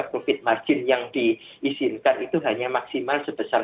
covid margin yang diizinkan itu hanya maksimal sebesar sepuluh